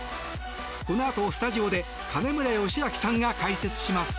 このあとスタジオで金村義明さんが解説します。